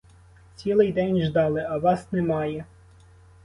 Цілий день ждали, а вас немає.